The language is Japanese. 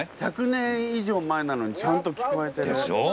１００年以上前なのにちゃんと聞こえてる。でしょう。